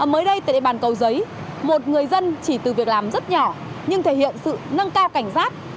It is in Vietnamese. mới đây tại địa bàn cầu giấy một người dân chỉ từ việc làm rất nhỏ nhưng thể hiện sự nâng cao cảnh giác